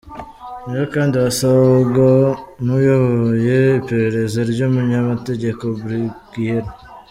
Ni we kandi wasaga n’uyoboye iperereza ry’umunyamategeko Bruguiere.